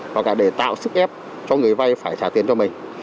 hoặc là để tạo sức ép cho người vay phải trả tiền cho mình